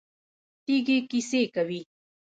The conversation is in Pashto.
تیږې کیسې کوي.